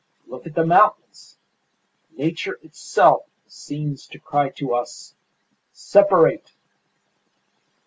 Look at the mountains! Nature itself seems to cry to us, 'Separate!